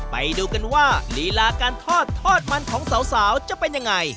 ไปดูกันว่าลีลาการทอดทอดมันของสาวจะเป็นยังไง